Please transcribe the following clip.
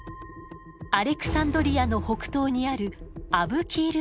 アレクサンドリアの北東にあるアブキール湾です。